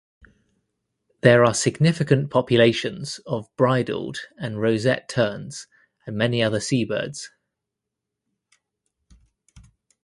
There are significant populations of bridled and roseate terns and many other seabirds.